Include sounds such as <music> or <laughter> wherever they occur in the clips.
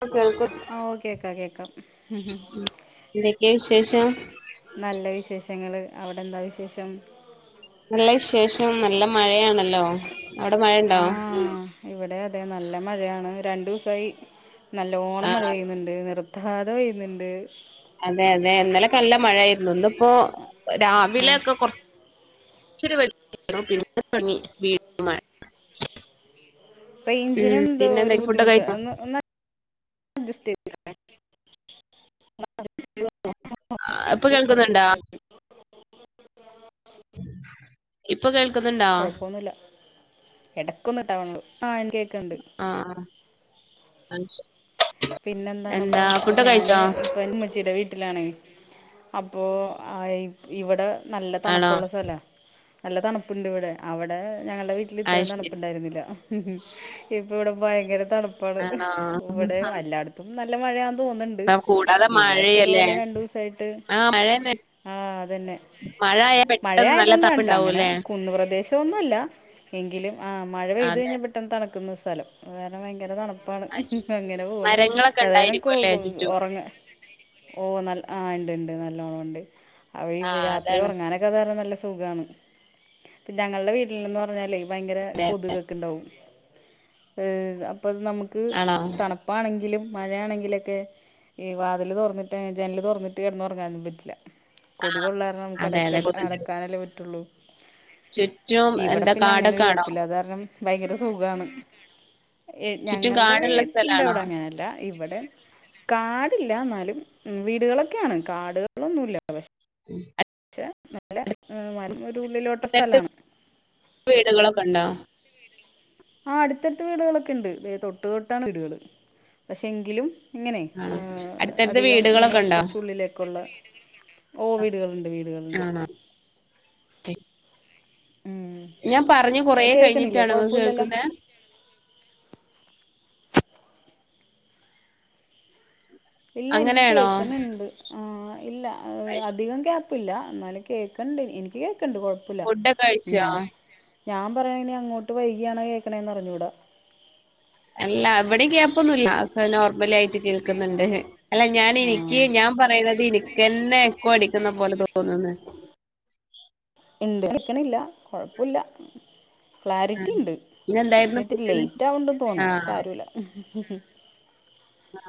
പ്പ കേൾക്കു ആ ഓ കേക്കാം കേക്കാം ന്തൊക്കെയാ വിശേഷം? നല്ല വിശേഷങ്ങള് അവിടെന്താ വിശേഷം? നല്ല വിശേഷം നല്ല മഴയാണല്ലോ. അവിടെ മഴണ്ടോ? ആ ഇവിടെ അതെ നല്ല മഴയാണ്. രണ്ടൂസായി ആ നല്ലോണം മഴ പെയ്യ്ന്ന്ണ്ട് നിർ ത്താതെ പെയ്യുന്നുണ്ട്. അതെ അതെ ന്നലെക്കെല്ല മഴായിരുന്നു ന്ന്പ്പോ ആ രാവിലെക്ക കൊർച്ച് ച്ചൊരു <unintelligible> പിന്നെ തൊടങ്ങി വീണ്ടും മഴ റേഞ്ചിന് ഉം എന്തോ ഒരു പിന്നെന്തയ് ബുദ്ധിമുട്ട് ഫുഡൊക്കയ്ഞ്ഞോ? ഒന്ന് ഒന്ന് അഡ്ജസ്റ്റ് ചെയ്തു ആഹ് ഇപ്പൊ കേൾക്കുന്നുണ്ടോ ഇപ്പൊ കേൾ കൊഴപ്പൊന്നുല്ല എടക്കൊന്ന് കട്ടാവണൊള്ളൂ ആഹ് കേക്കണ്ട് ആഹ് അയ്ശേരി <unintelligible> പിന്നെന്താണ്പ്പൊ ഇപ്പൊ ഞാന് കഴിച്ചോ ഇപ്പന്റിമ്മച്ചീടെ വീട്ടിലാണ് അപ്പോ ആ ഇവിടെ നല്ല ആണോ തണുപ്പുള്ള സ്ഥല നല്ല തണുപ്പുണ്ട് ഇവിടെ അവിടെ ഞങ്ങൾടെ വീട്ടില് അത് ഇത്രേം ശരി തണുപ്പുണ്ടായിരുന്നില്ല മ് ഇപ്പവിടെ ഭയങ്കര തണുപ്പാണ് ആണോ ഇവിടേം എല്ലാടത്തും നല്ല മഴയാന്ന് തോന്ന്ണ്ട് പ്പം കൂടാതെ മഴയല്ലേ ആഹ് മഴന്നെ ആഹ് അതന്നെ മഴയായത് നല്ല കൊണ്ടാണ് ട്ടോ തണുപ്പുണ്ടാവും അങ്ങനെ അല്ലേ കുന്ന് പ്രദേശൊന്നല്ല എങ്കിലും ആഹ് മഴ പെയ്ത് അതെ കഴിഞ്ഞാ പെ ട്ടന്ന് തണുക്കുന്ന സ്ഥലം അത് കാരണം ഭയങ്കര തണുപ്പാണ് അത് ശരി അങ്ങനെ പോകുന്നു മരങ്ങളൊക്കെ ചെലനേരം ഉണ്ടായിരിക്കും അല്ലേ കോകും ചുറ്റും ഒറ ഒറ ഓഹ് നല്ല ആഹ് ഇണ്ട് ണ്ട് നല്ലോണം ണ്ട് അവരി ആഹ് രാത്രി അതാണ് ഉറങ്ങാൻ അതു കാരണം നല്ല സുഖാണ് ഞങ്ങൾടെ വീട്ടില്ന്ന് പറഞ്ഞാലെ ഭയങ്കര അതെ കൊതുകൊക്കെ ഇണ്ടാവും അപ്പൊ നമുക്ക് ആണോ തണുപ്പണെങ്കി ലും മഴയാണെങ്കിലൊക്കെ ഈ വാതില് തൊറന്നിട്ട് ജനല് തൊറന്നിട്ട് കിടന്നൊറങ്ങാനൊന്നും പറ്റില്ല ആ കൊതുക് ഉള്ള കാരണം നമുക്ക് അട അതെ അതെ കൊതുക്. അടക്കാനല്ലേ പറ്റുള്ളൂ ചുറ്റും ഇവിടെ എന്താ പിന്നെ അങ്ങനെ കാടൊക്കെ ഒരു ആണോ വകുപ്പില്ലാത്കാരണം ഭയങ്കര സുഖാണ് എ ചുറ്റും ഞങ്ങൾടെ കാടുള്ള വീട്ടിന്റെ സ്ഥലാണോ അവിടെ അങ്ങനെയല്ല ഇവിടേം കാടില്ല ന്നാലും വീടുകളൊക്കെയാണ് കാടുകളൊന്നുല്ല പക്ഷെ അ പക്ഷെ നല്ല വരുമ്പോൾ ഒരു ഉള്ളിലോ അടുത്ത് <inaudible> വീടുകളൊക്കെണ്ടോ ആഹ് അടുത്തടുത്ത് വീടുകളൊക്കെ ണ്ട് ദേ തൊട്ട് തൊട്ടാണ് വീടുകള് പക്ഷെ എങ്കിലും ഇങ്ങനെ ആണോ അടുത്തടുത്ത് അധികം ഇങ്ങനെ വീടുകളൊക്കെ ഉണ്ടോ കൊറച്ചള്ളിലേക്കുള്ള ഓഹ് വീട്കളുണ്ട് വീട്കളുണ്ട് ആണോ ശരി. ഉം ഞാൻ പറഞ്ഞു കൊറേ കേൾക്കണില്ലേ കഴിഞ്ഞിട്ടാണൊ ങ്ങക്ക് കുഴപ്പമില്ലല്ലോ കേൾക്കുന്നെ ഇല്ല എനിക്ക് അങ്ങനെയാണോ കേക്കണുണ്ട് ആഹ് ഇല്ല കഴിച്ച്- അധികം ഗ്യാപ്പ് ഗ്യാപ്പ് ഇല്ല എന്നാലും കേക്കണ്ട് ഇനിക്ക് കേക്കണ്ട് കൊഴപ്പല്ല ഫുഡൊക്കെ കഴിച്ചോ ഞാ ഞാൻ പറയണെ ഇനി അങ്ങോട്ട് വൈകിയാണൊ കേക്കണെന്നറിഞ്ഞുട അല്ല ഇവിടേം ഗ്യാപ്പൊന്നുല്ല നോർമലായിട്ട് കേൾക്കുന്നുണ്ട് അല്ല ആ ഞാനിനിക്ക് ഞാൻ പറയണത് ഇനിക്കന്നെ എക്കോ അടിക്കുന്ന പോലെ തോന്നുന്നുണ്ട് ഇന്റെ അടിക്കണില്ല കൊഴപ്പല്ല ക്ലാരിറ്റിണ്ട് പിന്നെ ഇന്നെന്തായിരുന്നു ഇത്തിരി ഫുഡിന് ലേറ്റ് ആവ്ണ്ട്ന്ന് തോന്നാ അത് ആഹ് സാരോല്ല <inaudible>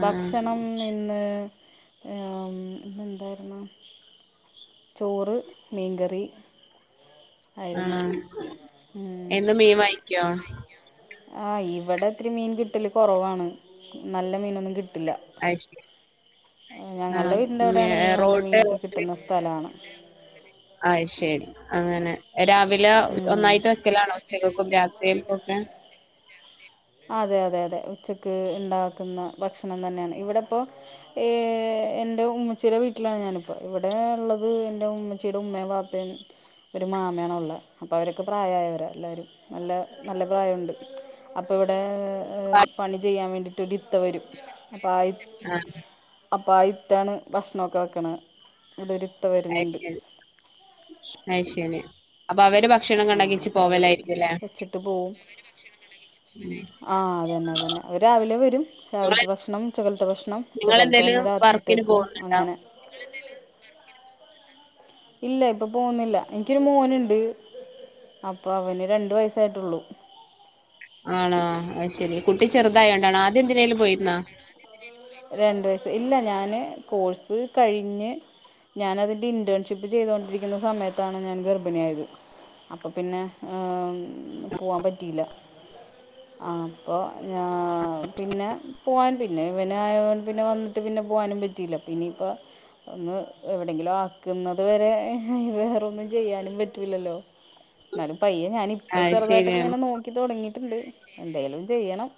ആഹ് ഭക്ഷണം ഇന്ന് എം ഇന്നെന്തായിരുന്നു ചോറ്, മീൻകറി ആയിരുന്നു ആണൊ ഉം. എന്നും മീൻ വാങ്ങിയ്ക്കോ ആഹ് ഇവടെ ഇത്തിരി മീൻ കിട്ടല് കൊറവാണ് നല്ല മീനൊന്നും കിട്ടില്ല അയ്ശെരി ആ ഉം റോഡ് <inaudible> ന്ന സ്ഥലാണ്. അയ് ശെരി അങ്ങനെ രാവിലെ ഉം. ഒന്നായിട്ട് വെക്കലാണോ? ഉച്ചക്കെക്കും രാത്രിൽക്കൊക്കെ? അതെ അതെ അതെ ഉച്ചക്ക് ഇണ്ടാക്കുന്ന ഭക്ഷണം തന്നെയാണ് ഇവിടെപ്പോ. ഹ് എന്റെ ഉമ്മച്ചീടെ വീട്ടിലാണ് ഞാനിപ്പോ. ഇവിടെള്ളത് എന്റെ ഉമ്മച്ചിയുടെ ഉമ്മയും വാപ്പ <unintelligible> ഒരു മാമയാണൊള്ളെ. അപ്പവരൊക്കെ പ്രായായവരാ എല്ലാരും. നല്ല നല്ല പ്രായുണ്ട്. അപ്പൊ ഇവിടെ ഹ് പണി ചെയ്യാൻ വേണ്ടീട്ടൊരിത്ത വരും അപ്പ ആ ഇ ആഹ്. അപ്പൊ ആ ഇത്തയാണ് ഭക്ഷണൊക്കെ വെക്കണത് ഇവിടൊരിത്ത വരുന്നുണ്ട്. അയ്ശെരി. അപ്പൊ അവര് ഭ ആഹ് അപ്പൊ അവര് വെച്ചിട്ട് പോവും. ആഹ് അതന്നെ അതന്നെ അവരാവിലെ വരും നിങ്ങള് രാവിലത്തെ ഭക്ഷണം ഉച്ചകലത്തെ ഭക്ഷണം. നിങ്ങളെന്തേലും ഉച്ചക്കല്‌തെന്നെ വർക്കിന് രാത്രിത്തേക്കും പോകുന്നുണ്ടോ അങ്ങനെ. ഇല്ല ഇപ്പൊ പോന്നില്ല. എന്ക്കൊരു മോനുണ്ട് അപ്പൊ അവന് രണ്ട്‌ വയസായിട്ടുള്ളൂ. ആണോ അയ്ശെരി കുട്ടി ചെറുതായോണ്ടാണോ ആദ്യം എന്തിനേലും പോയിരുന്നോ. രണ്ട്‌ വയസ്സാ. ഇല്ല ഞാന് കോഴ്സ് കഴിഞ്ഞ്. ഞാനതിന്റെ ഇന്റേൺഷിപ്പ് ചെയ്തോണ്ടിരിക്കുന്ന സമയത്താണ് ഞാൻ ഗർഭിണിയായത്. അപ്പൊ പിന്നെഏഹ്ഹ് ഉം പൂവാൻ പറ്റിയില്ല. അപ്പൊ ഞാ പിന്നെ പൂവാൻ പിന്നെ ഇവൻ നായോണ്ട് പിന്നെ വന്നിട്ട് പിന്നെ പോവാനും പറ്റിയില്ല പിന്നയിപ്പൊ ഒന്ന് എവിടെങ്കിലും ആക്കുന്നത് വരെ വേറൊന്നും ചെയ്യാനും പറ്റില്ലല്ലോ എന്നാലും പയ്യെ ഞാനിപ്പ അത് ചെറുതായിട്ടൊക്കെ ശരിയാണ് ഇങ്ങനെ നോക്കി തുടങ്ങിയിട്ട്ണ്ട്‌. എന്തേലും ചെയ്യണം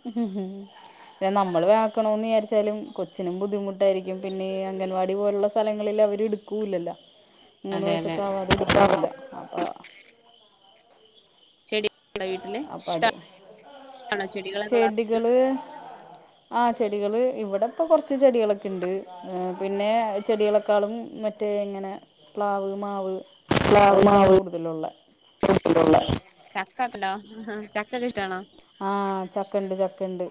പിന്നെ നമ്മള് വേക്കണോന്ന് വിചാരിച്ച വച്ചാലും കൊച്ചിനും ബുദ്ധിമുട്ടായിരിക്കും. പിന്നെ ഈ അംഗൻവാടി പോലുള്ള സ്ഥലങ്ങളിൽ അവരെടുക്കൂല്ലല്ല. മൂന്ന് അതെ അതെ വയസൊക്കെ ആവാതെ എടുക്കൂല്ല അതാ. ചെടി വീട്ടില് അപ്പൊ അത് ഇഷ്ടാണോ ചെടികളൊക്കെ വളർത്താൻ ചെടികള്. ആ ചെടികൾ ഇവിടെ ഇപ്പ കൊർച്ച് ചെടികളൊക്കെണ്ട്. പിന്നെ ഇ ചെടികളക്കാളും മറ്റേ ഇങ്ങനെ പ്ലാവ് മാവ്. പ്ലാവ് അതൊക്കെയാണ് മാവ് കൂടുതലുള്ള ചക്കണ്ടോ ചക്കക്കെ ഇഷ്ടാണോ? ആഹ് ചക്കണ്ട് ചക്കണ്ട്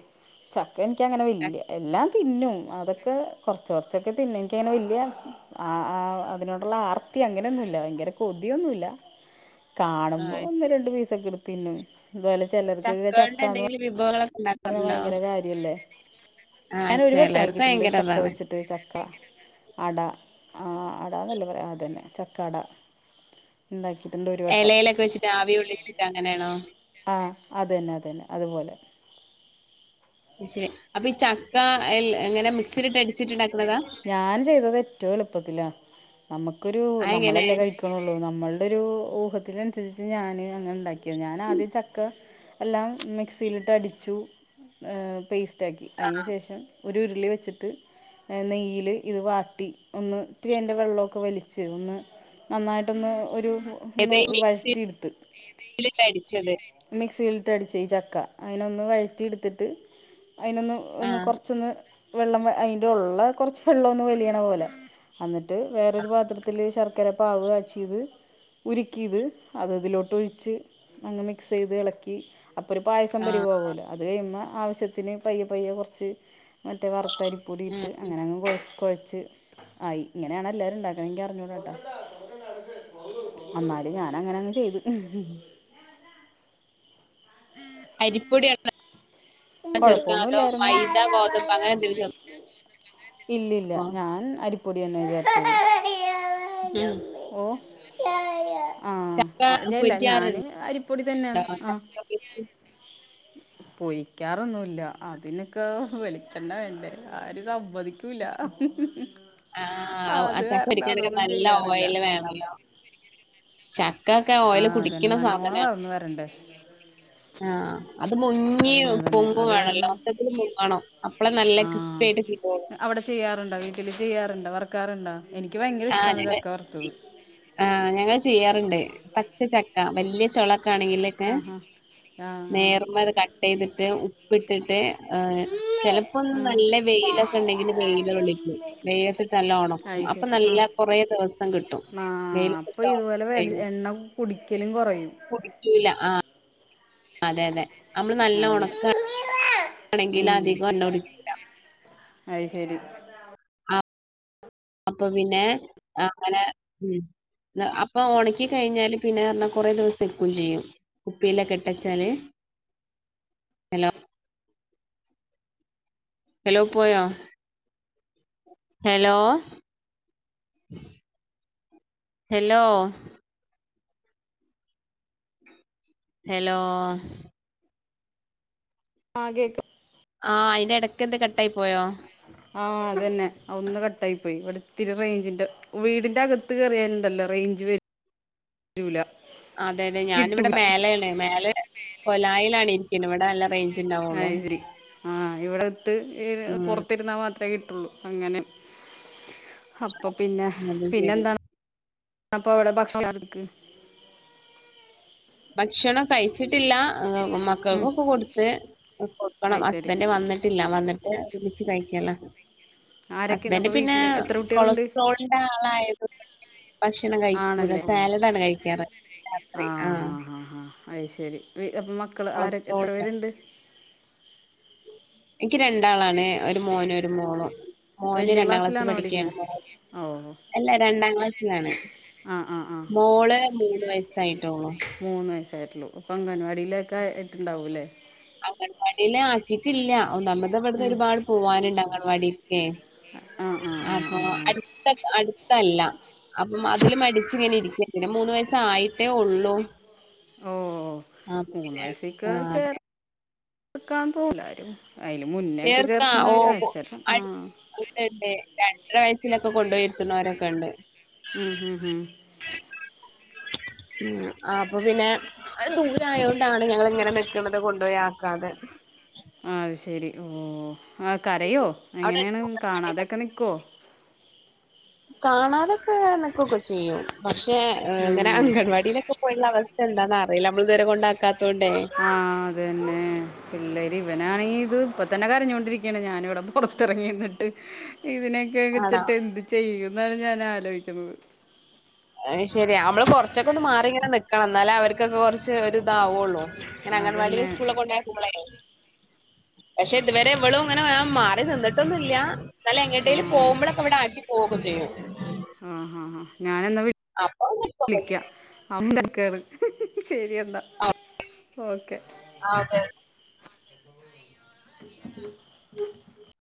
ചക്ക എനിക്കങ്ങനെ വല്ല്യ ഇല്ല്യ. തിന്നും അതൊക്കെ കൊർച്ച് കൊറ്ച്ചൊക്കെ തിന്നും എനിക്കങ്ങനെ വല്യെ. ആ ആ അതിനോടുള്ള ആർത്തി അങ്ങനെയൊന്നുല്ല ഭയങ്കര കൊതിയൊന്നുല്ല. ആ കാണുമ്പോ ഒന്ന് ശരി രണ്ട് പീസക്കെടുത്തിന്നും എന്തായാലും ചെല ചക്കകള്ടെ എന്തെങ്കിലും വിഭവങ്ങളെക്കെ. പറഞ്ഞേ ഭയങ്കര കാര്യല്ലേ? ആ ഞാൻ ചിലർക്ക് ഒരുവട്ടാക്കിട്ടിണ്ട് ഭയങ്കര ചക്ക അതാണ് വെച്ചിട്ട് ചക്ക. അട ആഹ് അടന്നല്ലേ പറയാ. അതെന്നെ ചക്ക അട ഇണ്ടാക്കിയിട്ടിണ്ട് ഒരു വട്ടം എലേലൊക്കെ വെച്ചിട്ട് ആവി കൊള്ളിച്ചിട്ട് അങ്ങനെയാണോ? ആഹ് അതെന്നെ അതെന്നെ അതുപോലെ. ശെരി അപ്പൊ ഈ ചക്ക എൽ എങ്ങനെ മിക്സിലിട്ട് അരിച്ചിട്ടിണ്ടാക്കണതാ? ഞാൻ ചെയ്തതേറ്റവും എളുപ്പത്തിലാണ് നമുക്കൊരു ആ എങ്ങനെ നമ്മളല്ലേ കഴിക്കു. ള്ളൂ നമ്മളുടെ ഒരു ഊഹത്തിനനുസരിച്ച് ഞാന് അങ്ങനെണ്ടാക്കിയെ ഞാൻ ആദ്യം ചക്ക എല്ലാം മിക്സിയിലിട്ട് അടിച്ചു. ഏഹ് പേസ്റ്റാക്കി ആ അയിന് ശേഷം ഒരു ഉരുളി വെച്ചിട്ട് നെയ്യില് ഇത് വാട്ടി ഒന്ന് ഇത്തിരി അയിൻ്റെ വെള്ളോക്കെ വലിച്ച് ഒന്ന് നന്നായിട്ടൊന്ന് ഒരു ഉ ഏത ഒന്ന് ഈ വഴറ്റിടുത്ത്. മിക്സിയിലിട്ട് അടിച്ചത് മിക്സിയിലിട്ട് അടിച്ച ഈ ചക്ക അയിനൊന്ന് വഴറ്റിടുത്തിട്ട്. അയിനൊന്ന് ആ ഒന്ന് കൊറച്ചൊന്ന് വെള്ളം അയിന്റെ ഉള്ള കൊറ്ച്ച് വെള്ളം ഒന്ന് വലിയണ പോലെ. അന്നിട്ട് വേറൊരു പാത്രത്തിൽ ശർക്കര പാവ് കാച്ചിയ്ത് ഉരുക്കിത് അതതിലോട്ടൊഴിച്ച് അങ്ങ് മിക്സെയ്ത് ഇളക്കി അപ്പൊ ഒരു പായസം ആ പരിഭവാവൂല അത് കഴിയുമാ ആവശ്യത്തിന് പയ്യെ പയ്യെ കുറച്ച് മറ്റേ വറുത്തരിപ്പൊടി ഉം ഇട്ട് ഉം. അങ്ങനെ അങ്ങ് കൊ കൊഴച്ച് ആയി ഇങ്ങനെയാണെല്ലാരു ഉണ്ടാക്കണ ഇന്ക് അറിഞ്ഞോടട്ടോ അന്നാലും ഞാനങ്ങനെ അങ്ങ് ചെയ്ത് അരിപ്പൊടിയ കൊഴപ്പൊന്നുല്ലായിരുന്നു മൈദ ഗോതമ്പ് അങ്ങനെ എന്തെങ്കിലും ഇല്ലില്ല ചേർക്കോ ഞാൻ അരിപ്പൊടി തന്നെ വിചാർച് ഉം ഓ ആഹ് ചക്ക ല്ല ല്ല ഞാന് പൊരിക്കാറുണ്ടോ അരിപ്പൊടി തന്നെയാണ് ആഹ് ചക്ക പൊരിച്ച് പോയി വിക്കാറൊന്നുല്ല അതിനൊക്കെ വെളിച്ചെണ്ണ വേണ്ടേ ആര് സമ്മദി ക്കൂല ആ അത് കാരണം അതൊന്നും ചെയ്യാറില്ല ണല്ല ചക്ക ഒക്കെ ആ ഓയില് അതന്നെ കുടിക്കണ നല്ലോണം സാധനാ വളർന്നു വരണ്ടേ ആഹ് അത് മുങ്ങി അതന്നെ അതന്നെ പൊങ്ങു അത് വേണല്ലോ കാരണം മൊത്തത്തില് മുങ്ങണം അപ്പളെ നല്ല ആഹ് ക്രിസ്പിയിട്ട് കീട്ടുള്ളു അവിടെ ചെയ്യാറുണ്ടോ വീട്ടില് ചെയ്യാറുണ്ട വറക്കാറുണ്ടോ എനിക്ക് ഭയങ്കര ഇഷ്ടാണ് ചക്ക വറുത്തത് ആഹ് ഞങ്ങൾ ചെയ്യാറുണ്ട് പച്ചച്ചക്ക വലിയ ചുളക്കെ ആണെങ്കില് ഏഹ് ആഹാ ആഹ് നേർമ അത് കട്ടെയ്തിട്ട് ഉപ്പിട്ടിട്ട് എഹ് ചിലപ്പോ ആഹ് ആഹ് നല്ല വെയിലൊക്കെ ഉണ്ടെങ്കില് വെയില കൊളിക്കും വെയിലത്തിട്ട് നല്ല ഒണക്കും അ ആഹ് അപ്പൊ വെയിലത്തിട്ട് ഉണക്കി ഇതുപോലെ വെ കഴിഞ്ഞാൽ എണ്ണ കുടിക്കലും കുറയും കുടിക്കൂല ആഹ് അതെ അതെ അമ്മള് നല്ല അത് ഉണക്ക ഇല്ല ഉം അധിക എണ്ണ കുടി അയ് ശരി അ അപ്പൊ പിന്നെ അങ്ങനെ ഉം അപ്പൊ ഉണക്കി കഴിഞ്ഞാല് പിന്നെറഞ്ഞ കൊറെ ദിവസതെക്ക് കുഞ്ചേയ്യും പ്പീലൊക്കെട്ടച്ചാല് ഹലോ പോയോ ഹലോ എലോ ഹലോ അ കേക്കാ ആഹ് അയിന്റെ ഇടയ്ക്ക് എന്ത് കട്ടായി പോയോ ആഹ് അതന്നെ ഒന്ന് കട്ടായി പോയി ഇവിടെത്തിരി റേഞ്ചിന്റെ വീടിന്റെ അകത്ത് കയറിയാലുണ്ടല്ലോ റേഞ്ച് വെ രൂല അതെ അതെ ഞാനിവിടെ മേലാണ് മേലെ കൊലായിലാണ് ഇരിക്ക്ന്ന ഇവിടെ നല്ല റേഞ്ച് ഉണ്ടാവുള്ളൂ അയ്ശരി ആഹ് ഇവിടെത്ത് ഈ ഉം പുറത്തിരുന്നാ മാത്രമേ കിട്ടുള്ളൂ അങ്ങന അപ്പൊ പിന്നെ അത് പിന്നെ ശരി എന്താണ് അപ്പ അവിടെ ഭക്ഷണക്ക് ഭക്ഷണം കഴിച്ചിട്ടില്ല ഉം മക്കൾക്കൊക്കെ കൊടുത്ത് അത് കൊടുക്കണം ശരി ഹസ്ബൻഡ് വന്നിട്ടില്ല വന്നിട്ട് ഒരുമിച്ചു കഴിക്കല്ല ആരൊക്കെയുണ്ട് ഹസ്ബൻഡ് അപ്പൊ പിന്നെ വീട്ടില് എത്ര കുട്ടികളുണ്ട് കൊളസ്ട്രോളിന്റെ ആളായത് ഭക്ഷണം കഴിക്കകൂല ആണല്ലേ സാലഡാണ് കഴിക്കാറ് രാത്രി ആഹ് അഹ് ശരി അപ്പം മക്കൾ ആര എത്ര കൊളസ്ട്രോളിന്റെ പേരുണ്ട് എനിക്ക് രണ്ടാളാണ് ഒരു മോനും ഒരു മോളും മോന് വലിയ രണ്ടാം ക്ലാസ്ൽ ക്ലാസ്സിലാണോ പഠിക്കുകയാണ് പഠിക്കുന്നത് ഓ അല്ല രണ്ടാം ക്ലാസ്സിലാണ് ആ ആ ആ മോള് മൂന്ന് വയസായിട്ടോള്ളു മൂന്ന് വയസായിട്ടുള്ളു അപ്പൊ അംഗൻവാടിയിലേക്കെ ഇട്ടുണ്ടാവൂല്ലേ അംഗണവാടിയില ആക്കിട്ടില്ല ഒന്നാമ്മത് ഇവിടുന്ന് ഉം. ഒരുപാട് പോവാനുണ്ട് അംഗൻവാടിക്കെ ആ ആ ആ അഹാ ആ. അട്ത്ത അടുത്തല്ല അപ്പം അതില് മടിച്ച് ഇങ്ങനെ ഇരിക്ക പിന്നെ മൂന്ന് വയസായിട്ടേ ഉള്ളൂ ഓ മൂന്ന് വയസി ക്ക് ആഹ് ചേ അങ്ങനെ ചെർക്കാത്തോ ലാരും അയില് മുന്നേക്കെ ചേർക്കുന്നവര് അയച്ചരണം ആ രണ്ടര വയസ്സിലൊക്കെ കൊണ്ടോയിഇരുത്തുണോരൊക്കെ ഇണ്ട് ഉം ഉം ആപ്പൊ പിന്നെ അത് ദൂരെ ആയോണ്ടാണ് ഞങ്ങള് ഇങ്ങനെ നിക്ക്ണത് കൊണ്ടോയി ആക്കാതെ ആ അയ്ശരി ഓ ആ കരയോ അവിടെ എങ്ങനേണ് അടുത്ത് അംഗൻവാടിയൊക്കെ ഉണ്ട്. കാണാതൊക്കെ നിക്കോ കാണാതൊക്കെ നിക്കൊ ക്കെ ചെയ്യും പക്ഷെ ഇങ്ങനെ അംഗൻവാടിയിലൊക്കെ പോയിട്ടുള്ള അവസ്ഥ എന്താന്ന് അറിയില്ല നമ്മൾ ഇത് വരെ കൊണ്ടാക്കാത്തോണ്ടേ ആ അതന്നെ പിള്ളേര് ഇവനാണെങ്കി ഇത് ഇപ്പ തന്നെ കരഞ്ഞോണ്ടിരിക്കയാണ് ഞാനി ഇവിടെ പുറത്തറങ്ങിന്നിട്ട് ഇതിനൊക്കെവെ ആണോ? ച്ചിട്ട് എന്ത്‌ ചെയ്യുംന്നാണ് ഞാൻ ആലോയി ക്കുന്നത് അയ്ശരി നമ്മള് കൊർചൊകൊന്ന് മാറി ഇങ്ങനെ നിക്കണം ഇന്നാലേ അവർക്കൊക്കെ കൊർച്ച് ഒരു ഇതാവുള്ളൂ ഇങ്ങന അതന്നെ അഗൻവാടിലും സ്കൂൾളും കൊണ്ടോയാക്കുമ്പളെ പക്ഷെ ഇതുവരെ ഇവളും ഇങ്ങനെ വേണം മാറി നിന്നിട്ടൊന്നുല്ല ന്നാലും ആ എങ്ങട്ടേലും പോവുമ്പളൊക്കെ ഇവിടെ ആക്കി പോവൊക്കെ ചെയ്യും ആഹ് ഹാ ഹാ ഞാനെന്ന <inaudible> അപ്പൊ നിക്കൊക്കെ വിളിക്ക ചെയ്യും <unintelligible> ശരിയന്നാ ആ ഓക്കെ ആ ഓക്കെ <inaudible>